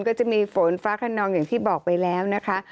ก็จะมีฝนฟ้าขนองอย่างที่บอกไปแล้วนะคะ